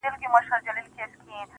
زور او زير مي ستا په لاس کي وليدی.